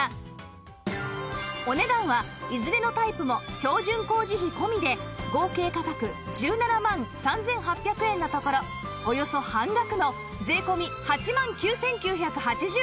お値段はいずれのタイプも標準工事費込みで合計価格１７万３８００円のところおよそ半額の税込８万９９８０円です